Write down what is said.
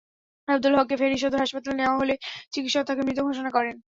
আবদুল হককে ফেনী সদর হাসপাতালে নেওয়া হলে চিকিৎসক তাঁকে মৃত ঘোষণা করেন।